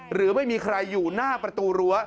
หรือไม่มีใครอยู่หน้าประตูรั้ว